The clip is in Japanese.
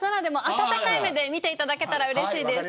暖かい目で見ていただけたらうれしいです。